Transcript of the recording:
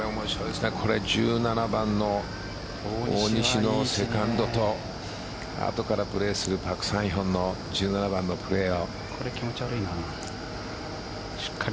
１７番の大西のセカンドとあとからプレーするパク・サンヒョンの１７番のプレー。